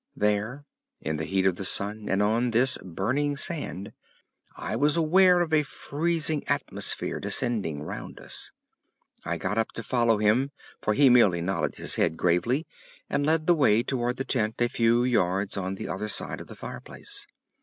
There, in the heat of the sun, and on this burning sand, I was aware of a freezing atmosphere descending round us. I got up to follow him, for he merely nodded his head gravely and led the way towards the tent a few yards on the other side of the fireplace.